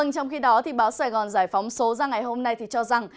trong khi đó báo sài gòn giải phóng số ra ngày hôm nay cho rằng